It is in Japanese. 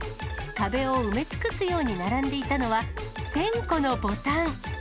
壁を埋め尽くすように並んでいたのは１０００個のボタン。